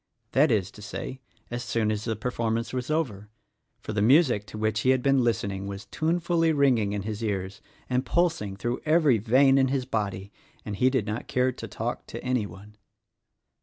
That is to say, as soon as the performance was over, for the music to which he had been listening was tunefully ringing in his ears and pulsing through every vein in his body, and he did not care to talk to anyone.